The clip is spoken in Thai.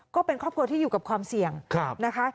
ก็เป็นครอบครัวที่อยู่กับความเสี่ยงนะคะ